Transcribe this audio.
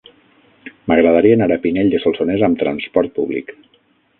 M'agradaria anar a Pinell de Solsonès amb trasport públic.